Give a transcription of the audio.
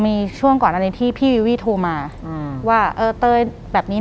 หลังจากนั้นเราไม่ได้คุยกันนะคะเดินเข้าบ้านอืม